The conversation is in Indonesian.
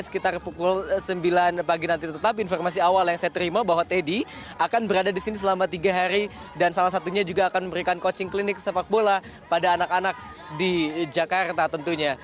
sekitar pukul sembilan pagi nanti tetap informasi awal yang saya terima bahwa teddy akan berada di sini selama tiga hari dan salah satunya juga akan memberikan coaching klinik sepak bola pada anak anak di jakarta tentunya